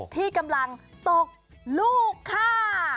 ที่กำลังตกลูกค่ะ